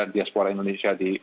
diaspora indonesia di